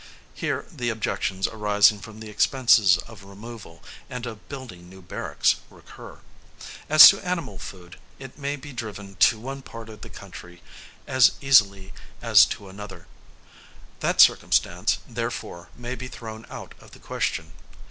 Here, the objections arising from the expenses of removal, and of building new barracks, recur. As to animal food, it may be driven to one part of the country as easily as to another: that circumstance, therefore, may be thrown out of the question.